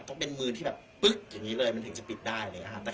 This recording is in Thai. ต้องเป็นมือที่แบบปึ๊กอย่างนี้เลยมันถึงจะปิดได้อะไรอย่างนี้ครับ